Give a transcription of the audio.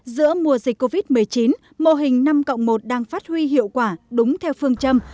giữa mùa dịch covid một mươi chín mô hình năm cộng một đang phát huy hiệu quả đúng theo phương châm